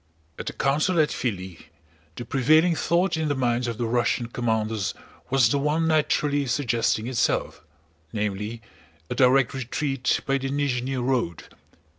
At the council at Filí the prevailing thought in the minds of the Russian commanders was the one naturally suggesting itself, namely, a direct retreat by the Nízhni road.